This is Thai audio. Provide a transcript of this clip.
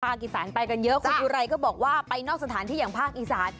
อีสานไปกันเยอะคุณอุไรก็บอกว่าไปนอกสถานที่อย่างภาคอีสาน